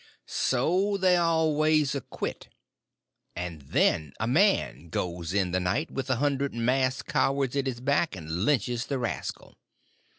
"So they always acquit; and then a man goes in the night, with a hundred masked cowards at his back and lynches the rascal.